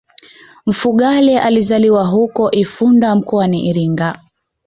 Mfugale alizaliwa huko Ifunda mkoani Iringa